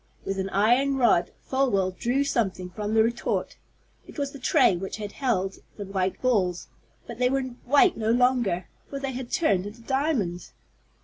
With a long iron rod Folwell drew something from the retort. It was the tray which had held the white balls. But they were white no longer, for they had been turned into diamonds.